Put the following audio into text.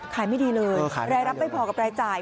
ไม่ดีเลยรายรับไม่พอกับรายจ่าย